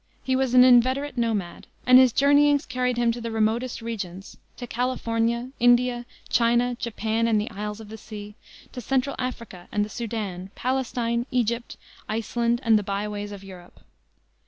He was an inveterate nomad, and his journeyings carried him to the remotest regions to California, India, China, Japan and the isles of the sea, to Central Africa and the Soudan, Palestine, Egypt, Iceland and the "by ways of Europe."